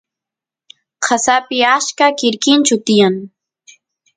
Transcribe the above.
qasapi achka quirquinchu tiyan